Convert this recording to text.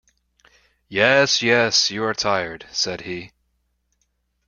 "Yes, yes, you are tired," said he.